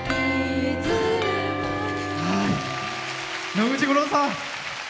野口五郎さん。